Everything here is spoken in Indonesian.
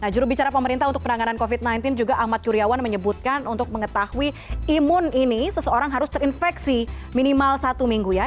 jurubicara pemerintah untuk penanganan covid sembilan belas juga ahmad yuryawan menyebutkan untuk mengetahui imun ini seseorang harus terinfeksi minimal satu minggu ya